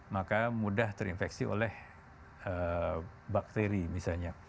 maka mudah terinfeksi oleh bakteri misalnya